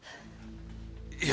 いや。